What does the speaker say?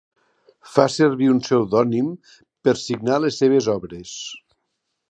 Fa servir un pseudònim per signar les seves obres.